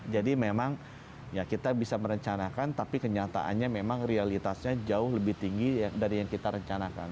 jadi memang kita bisa merencanakan tapi kenyataannya memang realitasnya jauh lebih tinggi dari yang kita rencanakan